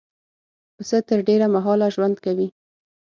پسه تر ډېره مهاله ژوند کوي.